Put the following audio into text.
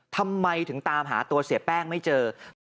ทำไมถึงตามหาตัวเสียแป้งไม่เจอ